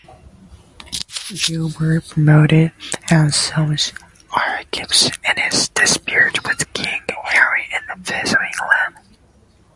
Gilbert promoted Anselm's arguments in his disputes with King Henry the First of England.